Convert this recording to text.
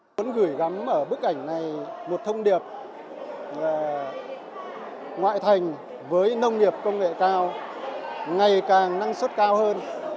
tôi muốn gửi gắm ở bức ảnh này một thông điệp là ngoại thành với nông nghiệp công nghệ cao ngày càng năng suất cao hơn